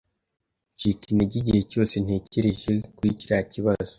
Ncika intege igihe cyose ntekereje kuri kiriya kibazo.